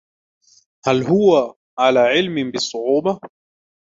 هل هو على علم بالصعوبة؟